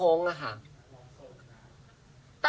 ตัวนี้น้ำตัว๑๔วาคา